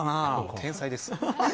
天才です。